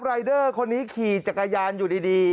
รายเดอร์คนนี้ขี่จักรยานอยู่ดี